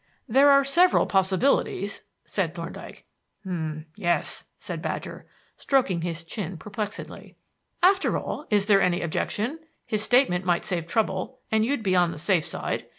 "There are several possibilities," said Thorndyke. "M'yes," said Badger, stroking his chin perplexedly. "After all, is there any objection? His statement might save trouble, and you'd be on the safe side.